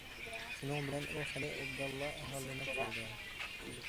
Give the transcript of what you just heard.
شۇنىڭ بىلەن ئۇ خېلى ئوبدانلا ھاللىنىپ قالدى.